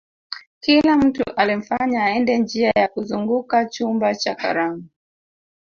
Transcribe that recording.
kila mtu alimfanya aende njia ya kuzunguka chumba cha karamu